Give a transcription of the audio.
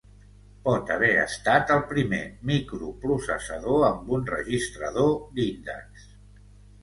Pot haver estat el primer microprocessador amb un registrador d'índex.